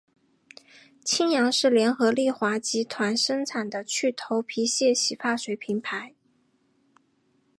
清扬是联合利华集团生产的去头皮屑洗发水品牌。